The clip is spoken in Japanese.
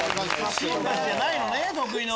新橋じゃないのね得意の。